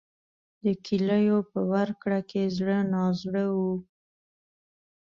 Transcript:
د کیلیو په ورکړه کې زړه نازړه و.